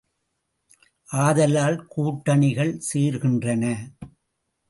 ஆதலால் கூட்டணிகள் சேர்கின்றன.